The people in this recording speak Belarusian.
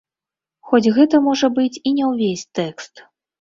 Хоць гэта можа быць і не ўвесь тэкст.